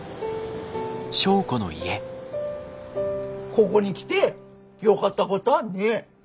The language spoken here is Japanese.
ここに来てよかったごたっね。